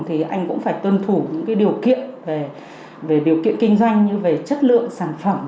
thì anh cũng phải tuân thủ những điều kiện về điều kiện kinh doanh như về chất lượng sản phẩm